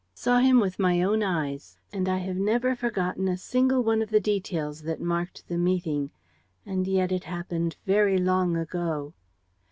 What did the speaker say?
"Saw him with my own eyes; and I have never forgotten a single one of the details that marked the meeting. And yet it happened very long ago."